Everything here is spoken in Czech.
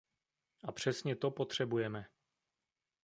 A přesně to potřebujeme.